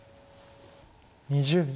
２０秒。